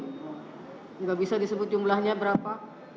tidak bisa disebut jumlahnya berapa